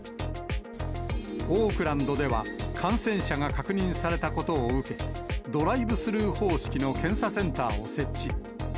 オークランドでは、感染者が確認されたことを受け、ドライブスルー方式の検査センターを設置。